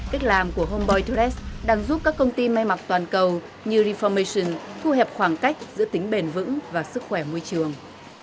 cách làm của homboi tores đang giúp các công ty may mặc toàn cầu như reformation thu hẹp khoảng cách giữa tính bền vững và sức khỏe môi trường